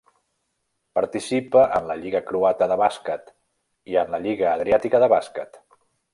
Participa en la Lliga croata de bàsquet i en la Lliga Adriàtica de bàsquet.